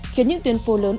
khiến những tuyến phố lớn